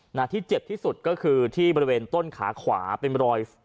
หน้าที่เจ็บที่สุดก็คือที่บริเวณต้นขาขวาเป็นรอย